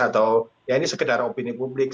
atau ya ini sekedar opini publik